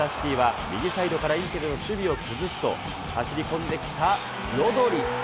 マンチェスター・シティが右サイドからインテルの守備を崩すと、走り込んできたロドリ。